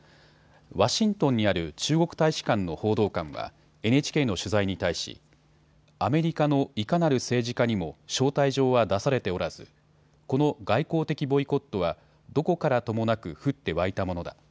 ワシントンにある中国大使館の報道官はＮＨＫの取材に対しアメリカのいかなる政治家にも招待状は出されておらずこの外交的ボイコットはどこからともなく降って湧いたものだ。